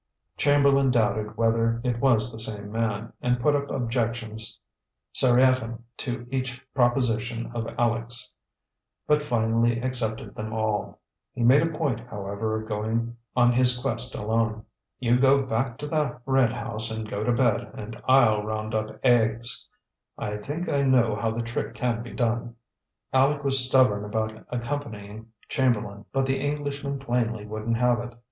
Chamberlain doubted whether it was the same man, and put up objections seriatim to each proposition of Aleck's, but finally accepted them all. He made a point, however, of going on his quest alone. "You go back to the red house and go to bed, and I'll round up Eggs. I think I know how the trick can be done." Aleck was stubborn about accompanying Chamberlain, but the Englishman plainly wouldn't have it.